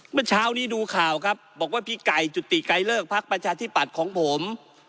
เมื่อเช้านี้ดูข่าวครับบอกว่าพี่ไก่จุติไกรเลิกพักประชาธิปัตย์ของผม